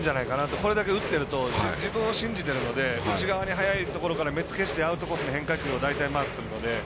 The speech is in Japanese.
これだけ打っていると自分を信じているので内側に速いところから目つけしてアウトコースの変化球を大体、マークするので。